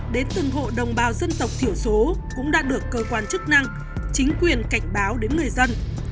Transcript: đến từng hộ đồng bào dân tộc thiểu số cũng đã được cơ quan chức năng chính quyền cảnh báo đến người dân